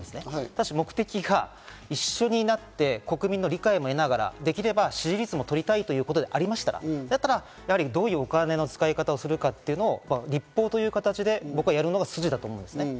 ただし目的が一緒になって国民の理解も得ながら、できれば支持率も取りたいということでありましたら、どういうお金の使い方をするかというのを日報という形で僕はやるのが筋だと思います。